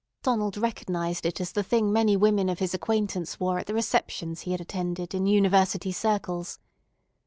Donald recognized it as the thing many women of his acquaintance wore at the receptions he had attended in university circles.